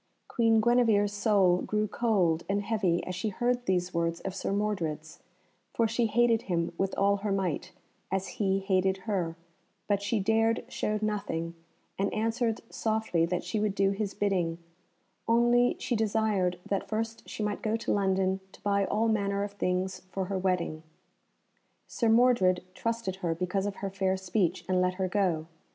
Queen Guenevere's soul grew cold and heavy as she heard these words of Sir Mordred's, for she hated him with all her might, as he hated her; but she dared show nothing, and answered softly that she would do his bidding, only she desired that first she might go to London to buy all manner of things for her wedding. Sir Mordred trusted her because of her fair speech, and let her go.